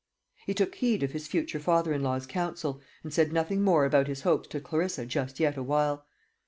He took heed of his future father in law's counsel, and said nothing more about his hopes to Clarissa just yet awhile.